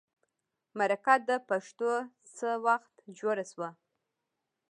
مرکه د پښتو څه وخت جوړه شوه.